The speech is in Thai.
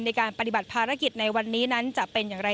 ในการปฏิบัติภารกิจในวันนี้นั้นจะเป็นอย่างไร